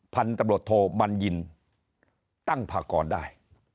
พันธุ์ตำรวจโทบัญญินตั้งพากรได้